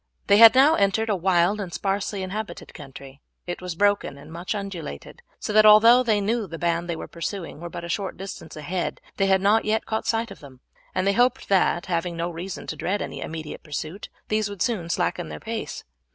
They had now entered a wild and sparsely inhabited country. It was broken and much undulated, so that although they knew that the band they were pursuing were but a short distance ahead they had not yet caught sight of them, and they hoped that, having no reason to dread any immediate pursuit, these would soon slacken their pace.